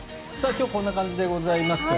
今日はこんな感じでございます。